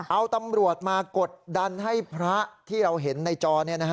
เอาตำรวจมากดดันให้พระที่เราเห็นในจอ